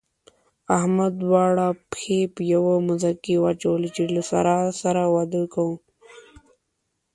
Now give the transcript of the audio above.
احمد دواړه پښې په يوه موزه کې واچولې چې له سارا سره واده کوم.